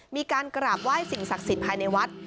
มีการกราบไหว้สิ่งศักดิ์สิทธิ์ภายในวัด